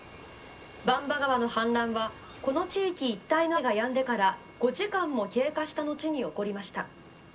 番場川の氾濫はこの地域一帯の雨がやんでから５時間も経過した後に起こりました。